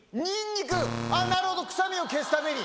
なるほど臭みを消すために。